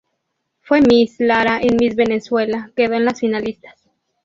Fue Miss Lara en Miss Venezuela, quedó en las finalistas.